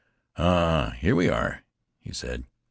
"Ah, here we are!" he said.